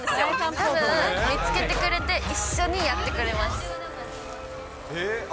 たぶん、見つけてくれて、一緒にやってくれます。